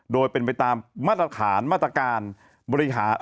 โดยเป็นไปตามมาตรฐานมาตรการ